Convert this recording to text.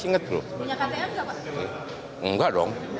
menyakatean enggak pak